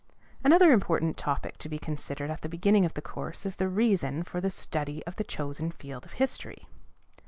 Another important topic to be considered at the beginning of the course is the reason for the study of the chosen field of history.